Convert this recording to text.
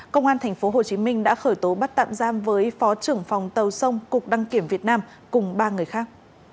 công an tp hồ chí minh đã khởi tố bắt tạm giam với phó trưởng phòng tàu sông cục đăng kiểm việt nam cùng ba người khác